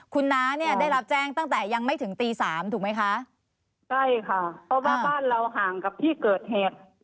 คุณน้าเนี่ยได้รับแจ้งตั้งแต่ยังไม่ถึงตีสามถูกไหมคะใช่ค่ะเพราะว่าบ้านเราห่างกับที่เกิดเหตุ